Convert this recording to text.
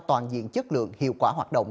toàn diện chất lượng hiệu quả hoạt động